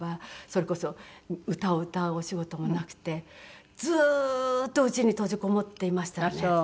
それこそ歌を歌うお仕事もなくてずーっと家に閉じこもっていましたね。